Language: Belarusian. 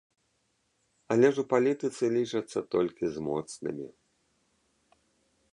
Але ж у палітыцы лічацца толькі з моцнымі.